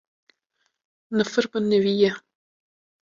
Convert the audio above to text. Nifir bi nivî ye